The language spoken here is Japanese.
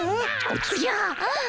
おじゃっ！